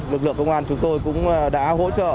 lực lượng công an chúng tôi cũng đã hỗ trợ